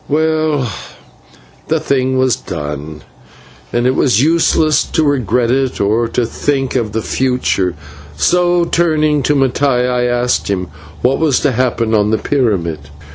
Well, the thing was done, and it was useless to regret it or to think of the future, so, turning to Mattai, I asked him what was to happen on the pyramid.